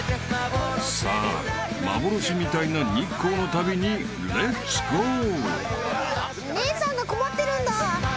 ［さあ幻みたいな日光の旅にレッツゴー］